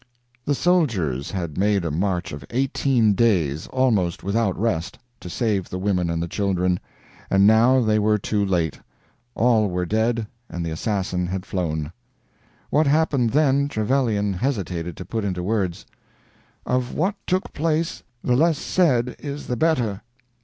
The soldiers had made a march of eighteen days, almost without rest, to save the women and the children, and now they were too late all were dead and the assassin had flown. What happened then, Trevelyan hesitated to put into words. "Of what took place, the less said is the better."